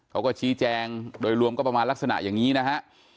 เขาก็ชี้แจงโดยรวมก็ประมาณลักษณะอย่างนี้นะฮะ